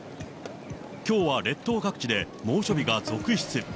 きょうは列島各地で猛暑日が続出。